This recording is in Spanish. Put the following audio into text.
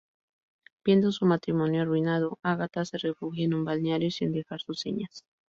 Viendo su matrimonio arruinado, Agatha se refugia en un balneario sin dejar sus señas.